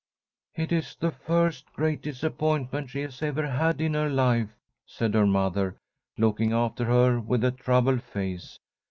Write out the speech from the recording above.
"It is the first great disappointment she has ever had in her life," said her mother, looking after her with a troubled face.